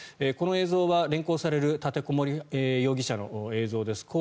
この映像は連行される立てこもり容疑者の映像です。